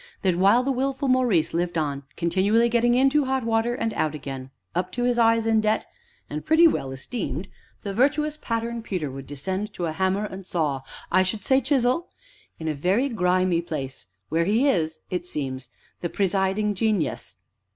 that while the wilful Maurice lived on, continually getting into hot water and out again, up to his eyes in debt, and pretty well esteemed, the virtuous pattern Peter would descend to a hammer and saw I should say, chisel in a very grimy place where he is, it seems, the presiding genius.